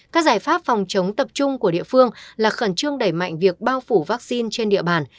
các giải pháp phòng chống tập trung của địa phương là khẩn trương đẩy mạnh việc bao phủ vaccine trên địa bàn